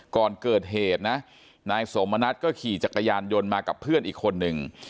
ก่อนเกิดเหตุนะนายสมณัฐก็ขี่จักรยานยนต์มากับเพื่อนอีกคนนึง